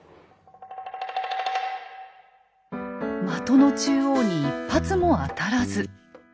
的の中央に一発も当たらず。